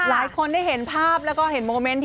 หลายคนได้เห็นภาพแล้วก็เห็นโมเมนต์